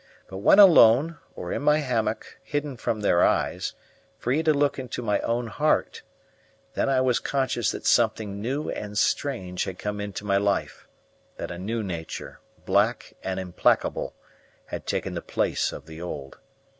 But when alone, or in my hammock, hidden from their eyes, free to look into my own heart, then I was conscious that something new and strange had come into my life; that a new nature, black and implacable, had taken the place of the old.